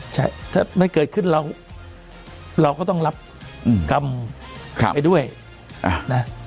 ใช่ถ้ามันเกิดขึ้นเราก็ต้องรับกรรมไปด้วยนะ